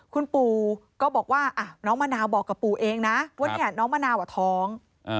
คุณปู่ก็บอกว่าน้องมะนาวบอกกับปู่เองนะว่าเนี่ยน้องมะนาวท้อง